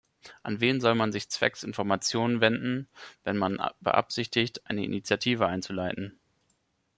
An wen soll man sich zwecks Informationen wenden, wenn man beabsichtigt, eine Initiative einzuleiten?